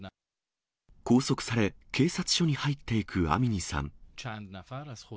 拘束され、警察署に入っていくアミニさん。